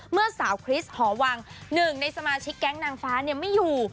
เมื่อสาวคริสต์หอวังหนึ่งในสมาชิกแก๊งนางฟ้าไม่อยู่